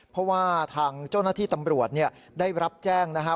เพราะว่าทางเจ้าหน้าที่ตำรวจได้รับแจ้งนะฮะ